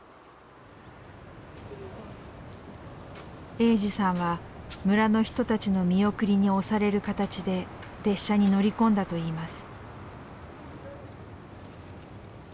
栄司さんは村の人たちの見送りに押される形で列車に乗り込んだといいます。